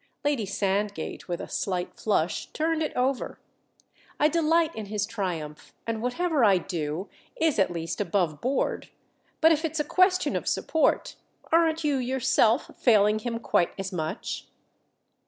Lady Sandgate, with a slight flush, turned it over. "I delight in his triumph, and whatever I do is at least above board; but if it's a question of support, aren't you yourself failing him quite as much?"